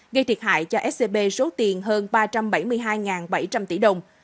gây thiệt hại cho scb số tiền hơn ba trăm bảy mươi hai bảy trăm linh tỷ đồng